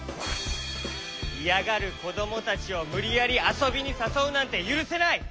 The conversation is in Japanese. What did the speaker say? いやがるこどもたちをむりやりあそびにさそうなんてゆるせない！